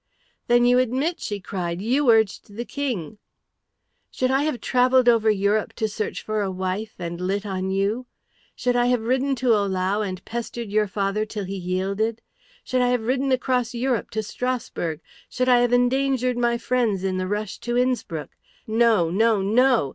"Then you admit," she cried, "you urged the King." "Should I have travelled over Europe to search for a wife and lit on you? Should I have ridden to Ohlau and pestered your father till he yielded? Should I have ridden across Europe to Strasbourg? Should I have endangered my friends in the rush to Innspruck? No, no, no!